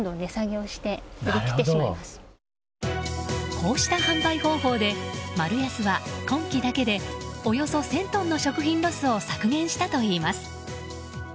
こうした販売方法でマルヤスは今期だけでおよそ１０００トンの食品ロスを削減したといいます。